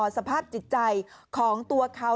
สภาพจิตใจของตัวเขา